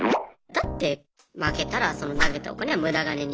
だって負けたらその投げたお金は無駄金になってしまう